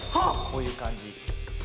こういうかんじ。